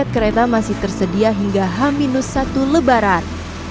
empat kereta masih tersedia hingga h satu lebaran